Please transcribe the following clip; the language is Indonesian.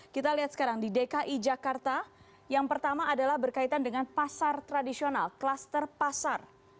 kita lihat sekarang di dki jakarta yang pertama adalah berkaitan dengan pasar tradisional kluster pasar